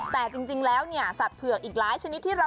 แต่จริงแล้วสัตย์เผือกอีกหลายชนิดที่เราเคยเห็น